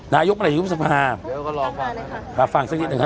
นายยกเมื่อไหร่จะยุบสภาฟังสักนิดหนึ่งฮะ